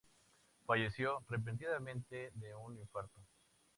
Falleció repentinamente de un infarto.